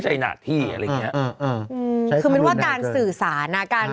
ว่าการสื่อสารนะ